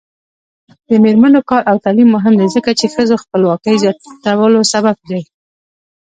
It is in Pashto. د میرمنو کار او تعلیم مهم دی ځکه چې ښځو خپلواکۍ زیاتولو سبب دی.